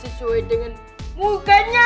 sesuai dengan mukanya